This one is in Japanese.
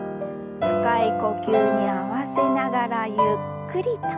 深い呼吸に合わせながらゆっくりと。